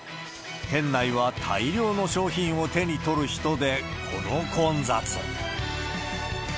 店内は大量の商品を手に取る人でこの混雑。